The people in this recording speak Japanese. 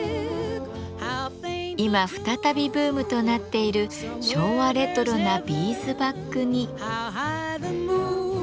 今再びブームとなっている昭和レトロなビーズバッグに。